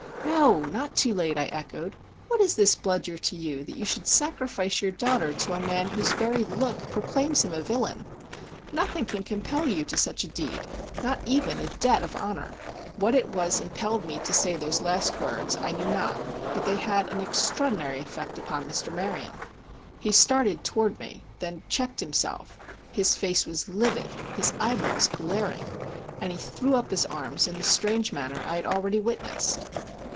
"No, not too late," I echoed. "What is this Bludyer to you, that you should sacrifice your daughter to a man whose very look proclaims him a villain? Nothing can compel you to such a deed—not even a debt of honor!" What it was impelled me to say these last words I know not, but they had an extraordinary effect upon Mr. Maryon. He started toward me, then checked himself; his face was livid, his eyeballs glaring, and he threw up his arms in the strange manner I had already witnessed.